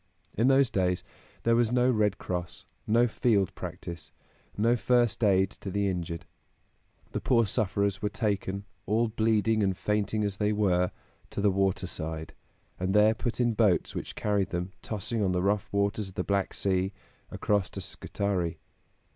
In those days there was no Red Cross, no field practice, no first aid to the injured. The poor sufferers were taken, all bleeding and fainting as they were, to the water side, and there put in boats which carried them, tossing on the rough waters of the Black Sea, across to Scutari.